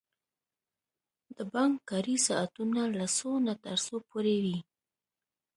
د بانک کاری ساعتونه له څو نه تر څو پوری وی؟